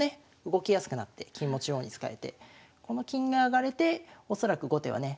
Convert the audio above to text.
動きやすくなって金も中央に使えてこの金が上がれて恐らく後手はね